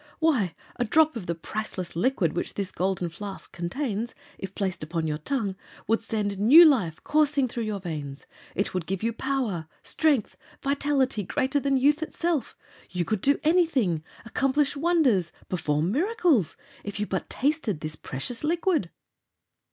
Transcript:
Why, a drop of the priceless liquid which this Golden Flask contains, if placed upon your tongue, would send new life coursing through your veins. It would give you power, strength, vitality greater than youth itself! You could do anything accomplish wonders perform miracles if you but tasted this precious liquid!"